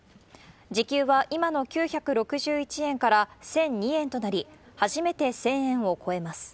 時給は今の９６１円から１００２円となり、初めて１０００円を超えます。